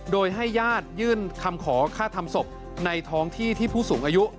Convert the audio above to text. โดยให้ญาติยื่นคำขอฆ่าทำศพในท้องที่ที่ผู้สูงอายุ